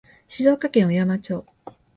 静岡県小山町